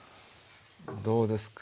どうですか？